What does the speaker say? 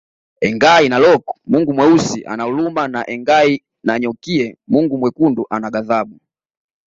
Engai Narok Mungu Mweusi ana huruma na Engai Nanyokie Mungu Mwekundu ana ghadhabu